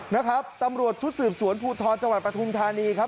นะครับตำรวจชุดสืบสวนภูทรจังหวัดปฐุมธานีครับ